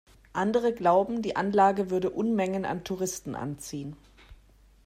Andere glauben, die Anlage würde Unmengen an Touristen anziehen.